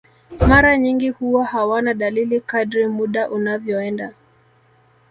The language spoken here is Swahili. Mara nyingi huwa hawana dalili kadri muda unavyoenda